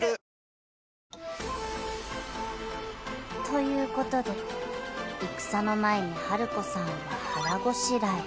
［ということで戦の前にハルコさんは腹ごしらえ］